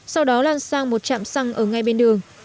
sau đó lan sang một chạm xăng ở ngay bên đường